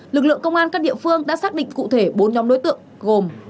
lực lượng công an các địa phương đã xác định cụ thể bốn nhóm đối tượng gồm